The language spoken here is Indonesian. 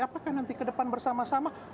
apakah nanti ke depan bersama sama